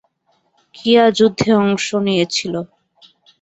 কিয়া যুদ্ধে অংশ নিয়েছিল।